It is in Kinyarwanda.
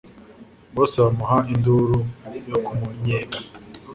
bose bamuha induru yo kumunnyega